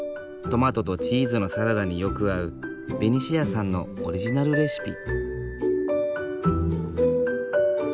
トマトとチーズのサラダによく合うベニシアさんのオリジナルレシピ。